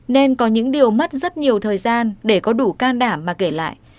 nên có những điều mất rất nhiều thời gian để có đủ can đảm mà kể lại